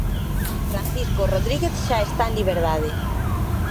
Francisco Rodríguez xa está en liberdade.